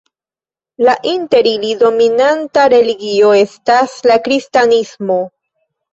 La inter ili dominanta religio estas la kristanismo.